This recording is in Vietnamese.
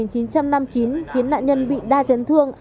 sinh năm một nghìn chín trăm năm mươi chín khiến nạn nhân bị đa chấn thương